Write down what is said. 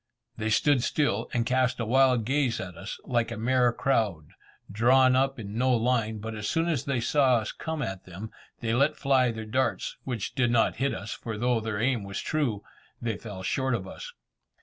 They stood still, and cast a wild gaze at us, like a mere crowd, drawn up in no line; but as soon as they saw us come at them, they let fly their darts, which did not hit us, for though their aim was true, they fell short of us.